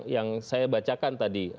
yang saya bacakan tadi